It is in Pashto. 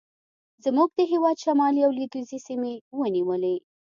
زموږ د هېواد شمالي او لوېدیځې سیمې ونیولې.